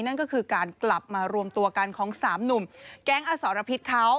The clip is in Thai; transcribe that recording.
นั่นก็คือการกลับมารวมตัวกันของสามหนุ่มแก๊งอสรพิษเขา